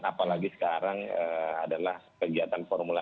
apalagi sekarang adalah kegiatan formula e